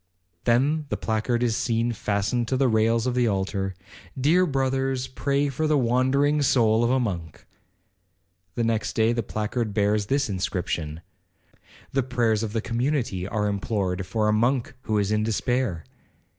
Then the placard is seen fastened to the rails of the altar, 'Dear brothers, pray for the wandering soul of a monk.' The next day the placard bears this inscription, 'The prayers of the community are implored for a monk who is in despair.'